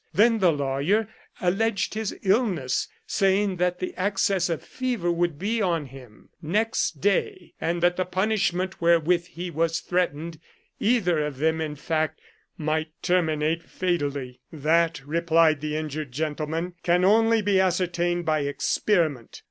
Then the lawyer alleged his illness, saying that the access of fever would be on him 130 " Flagellum Salutis" next day, and that the punishment wherewith he was threatened — either of them in fact — might terminate fatally. " That," replied the injured gentleman, " can only be ascertained by experiment.